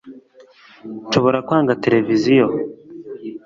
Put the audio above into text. nshobora kwanga televiziyo